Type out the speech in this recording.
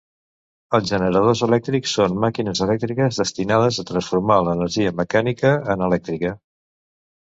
Els generadors elèctrics són màquines elèctriques destinades a transformar l'energia mecànica en elèctrica.